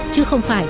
chứ không phải